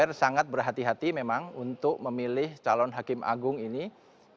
komisi tiga dpr sangat berhati hati memang untuk memilih calon hakim agung yang ditetapkan